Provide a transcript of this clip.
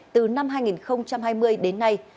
từ năm hai nghìn hai mươi đến nay